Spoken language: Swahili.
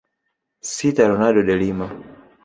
Sita Ronaldo de Lima